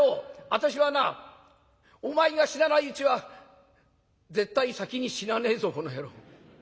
私はなお前が死なないうちは絶対先に死なねえぞこの野郎。